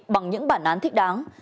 bằng những bản án thích đáng